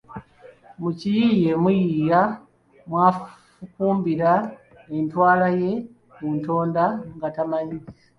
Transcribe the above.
Mu kiyiiye omuyiiya mw’afumbukulira entwala ye ku ntondwa nga tamanyi.